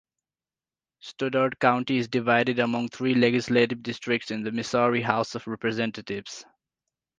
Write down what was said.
Stoddard County is divided among three legislative districts in the Missouri House of Representatives.